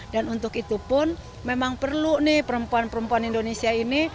dan untuk itu pun memang perlu nih perempuan perempuan indonesia ini